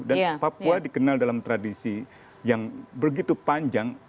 dan papua dikenal dalam tradisi yang begitu panjang